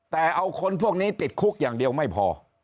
แต่เอาคนพวกนี้ติดคุกอย่างเดียวไม่พอ